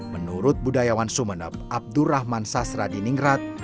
menurut budayawan sumeneb abdurrahman sastra di ningrat